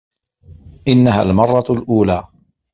إنّها المرّة الأولى.